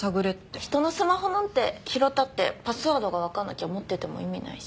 人のスマホなんて拾ったってパスワードがわかんなきゃ持ってても意味ないし。